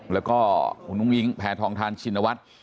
แล้วก็คุณอุ้งอิงแพทองทานชินวัฒน์